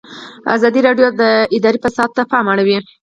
ازادي راډیو د اداري فساد ته پام اړولی.